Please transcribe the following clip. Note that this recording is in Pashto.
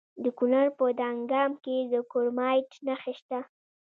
د کونړ په دانګام کې د کرومایټ نښې شته.